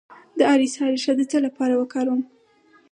د اریسا ریښه د څه لپاره وکاروم؟